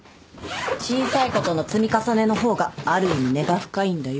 小さいことの積み重ねの方がある意味根が深いんだよ。